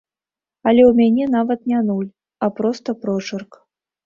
Але ў мяне нават не нуль, а проста прочырк.